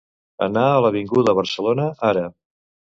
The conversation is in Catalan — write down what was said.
Anar a l'avinguda Barcelona ara.